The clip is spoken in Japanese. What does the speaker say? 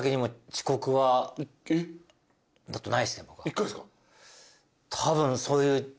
１回っすか？